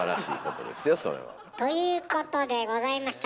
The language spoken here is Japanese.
それは。ということでございました。